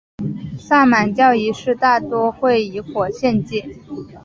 萨满教仪式大多会以火献祭。